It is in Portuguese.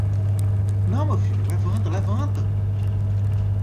Não, meu filho, levanta, levanta!